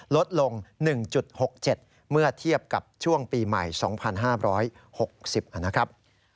ลดลง๑๖๗เมื่อเทียบกับช่วงปีใหม่๒๕๖๐นะครับ